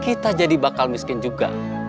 kita jadi bakal miskin juga